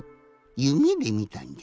夢でみたんじゃ。